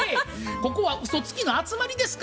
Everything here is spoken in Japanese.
ここはうそつきの集まりですか？